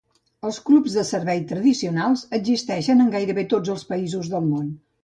Els clubs de servei tradicionals existeixen en gairebé tots els països del món.